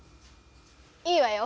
いいわよ